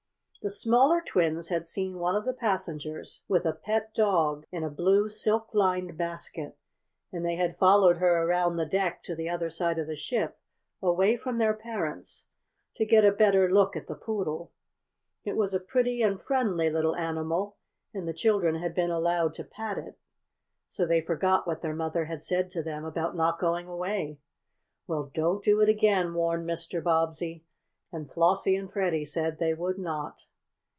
The smaller twins had seen one of the passengers with a pet dog in a blue silk lined basket, and they had followed her around the deck to the other side of the ship, away from their parents, to get a better look at the poodle. It was a pretty and friendly little animal, and the children had been allowed to pat it. So they forgot what their mother had said to them about not going away. "Well, don't do it again," warned Mr. Bobbsey, and Flossie and Freddie said they would not.